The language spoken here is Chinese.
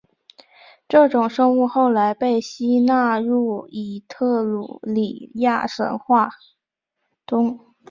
这种生物后来被吸纳入伊特鲁里亚神话中。